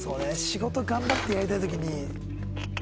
仕事頑張ってやりたい時に。